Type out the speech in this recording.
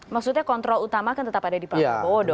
maksudnya kontrol utama kan tetap ada di pak prabowo dong